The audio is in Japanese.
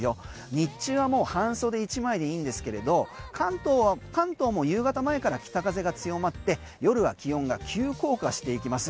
日中はもう半袖１枚でいいんですけれど関東も夕方前から北風が強まって夜は気温が急降下していきます。